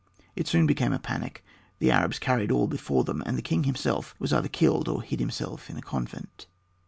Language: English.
It soon became a panic; the Arabs carried all before them, and the king himself was either killed or hid himself in a convent.